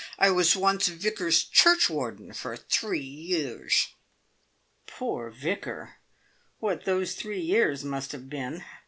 I was once Vicar's churchwarden for three years." Poor Vicar! What those three years must have been!